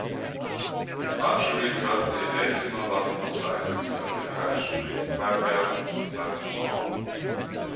Marjorie Courtenay-Latimer war die Tochter eines südafrikanischen Eisenbahnbeamten und seiner Frau.